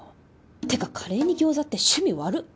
てかカレーに餃子って趣味悪っ。